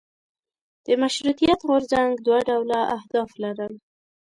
د مشروطیت غورځنګ دوه ډوله اهداف لرل.